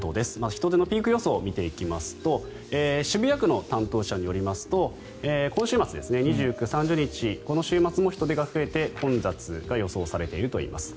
人出のピーク予想を見ていきますと渋谷区の担当者によりますと今週末、２９日、３０日この週末も人出が増えて混雑が予想されているといいます。